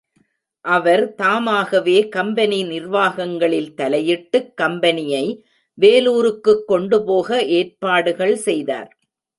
அவர் தாமாகவே கம்பெனி நிர்வாகங்களில் தலையிட்டுக் கம்பெனியை வேலூருக்குக் கொண்டுபோக ஏற்பாடுகள் செய்தார்.